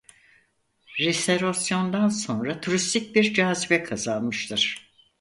Restorasyondan sonra turistik bir cazibe kazanmıştır.